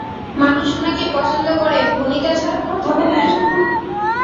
মানুষ উনাকে পছন্দ করে ভণিতা ছাড়া কথা বলার জন্য।